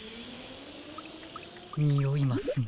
においますね。